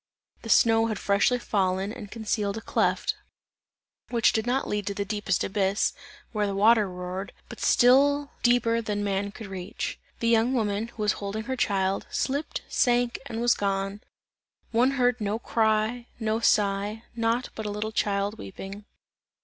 The snow had freshly fallen and concealed a cleft, which did not lead to the deepest abyss, where the water roared but still deeper than man could reach. The young woman, who was holding her child, slipped, sank and was gone; one heard no cry, no sigh, nought but a little child weeping.